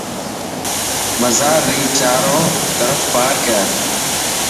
مزار ري چارو ترف پارڪ هي.